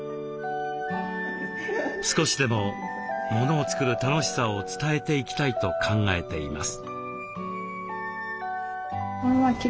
少しでもものを作る楽しさを伝えていきたいと考えています。